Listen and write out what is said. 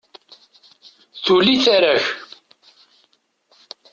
Tuli tara-k!